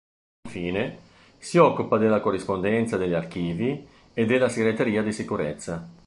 Infine, si occupa della corrispondenza, degli archivi e della segreteria di sicurezza.